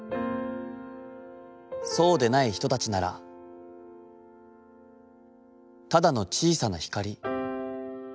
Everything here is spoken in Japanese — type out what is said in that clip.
そうでない人たちなら、ただの小さな光。